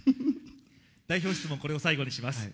代表質問、これを最後にします。